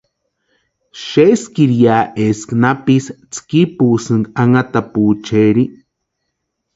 Xeskiri ya eska napisï tskipusïnka anhatapuecheri.